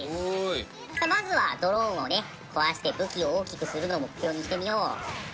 まずはドローンを壊して武器を大きくするのを目標にやってみよう。